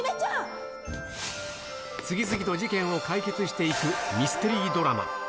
次々と事件を解決していくミステリードラマ。